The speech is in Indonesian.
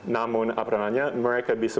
namun apa namanya mereka bisa